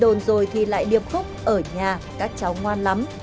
côn rồi thì lại điệp khúc ở nhà các cháu ngoan lắm